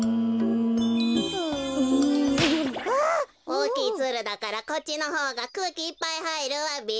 おおきいツルだからこっちのほうがくうきいっぱいはいるわべ。